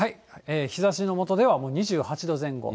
日ざしの下では、２８度前後。